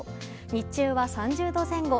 日中は３０度前後。